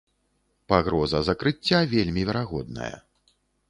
Пагроза закрыцця вельмі верагодная.